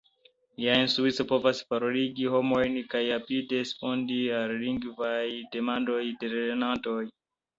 Ja instruisto povas paroligi homojn kaj rapide respondi al lingvaj demandoj de lernantoj.